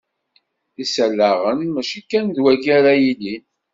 Isalaɣen mačči kan d wagi ara yilin.